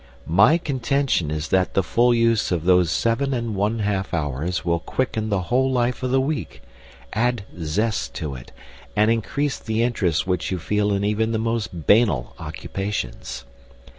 My contention is that the full use of those seven and a half hours will quicken the whole life of the week, add zest to it, and increase the interest which you feel in even the most banal occupations.